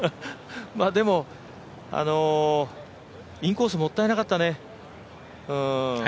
でも、インコース、もったいなかったね。